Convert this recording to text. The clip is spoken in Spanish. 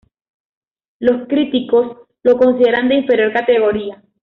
Los críticos lo consideran de inferior categoría.